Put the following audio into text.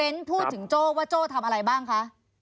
พูดถึงโจ้ว่าโจ้ทำอะไรบ้างคะ